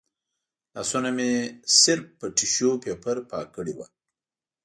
لاسونه مې صرف په ټیشو پیپر پاک کړي و.